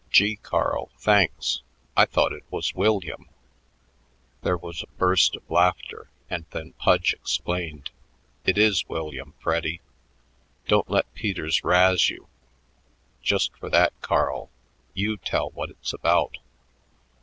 "Gee, Carl, thanks. I thought it was William." There was a burst of laughter, and then Pudge explained. "It is William, Freddy. Don't let Peters razz you. Just for that, Carl, you tell what it's about."